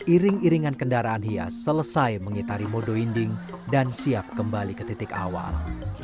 iring iringan kendaraan hias selesai mengitari modo inding dan siap kembali ke titik awal